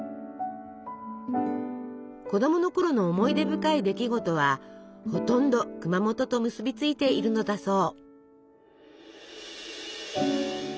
子供のころの思い出深い出来事はほとんど熊本と結びついているのだそう。